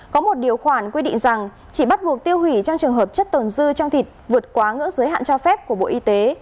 có một điều khoản quy định rằng chỉ bắt buộc tiêu hủy trong trường hợp chất tồn dư trong thịt vượt quá ngưỡng giới hạn cho phép của bộ y tế